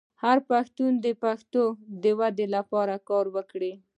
هر پښتون دې د پښتو د ودې لپاره کار وکړي.